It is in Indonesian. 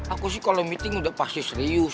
aku sih kalau meeting udah pasti serius